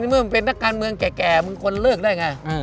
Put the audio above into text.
เมื่อมึงเป็นนักการเมืองแก่มึงควรเลิกได้ไง